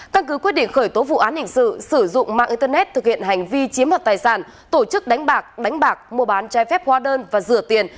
căn cứ quyết định khởi tố vụ án hình sự sử dụng mạng internet thực hiện hành vi chiếm đoạt tài sản tổ chức đánh bạc đánh bạc mua bán trái phép hóa đơn và rửa tiền